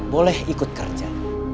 boleh ikut kerja